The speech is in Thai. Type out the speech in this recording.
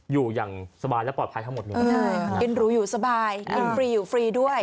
อยู่อย่างสบายและปลอดภัยทั้งหมดเลยเออใช่ยืนรู้อยู่สบายยืนฟรีอยู่ฟรีด้วย